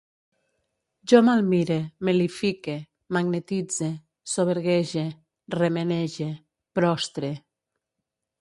Jo malmire, mel·lifique, magnetitze, soberguege, remenege, prostre